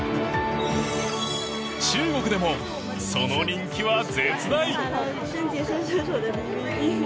中国でも、その人気は絶大。